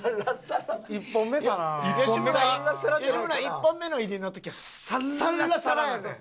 １本目の入りの時はサッラサラやねん。